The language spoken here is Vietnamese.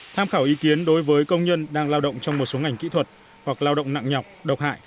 tham khảo ý kiến đối với công nhân đang lao động trong một số ngành kỹ thuật hoặc lao động nặng nhọc độc hại